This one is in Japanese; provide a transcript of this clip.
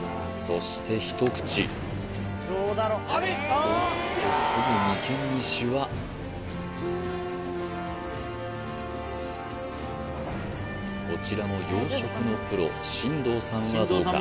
そして一口おっとすぐ眉間にシワこちらも洋食のプロ進藤さんはどうか？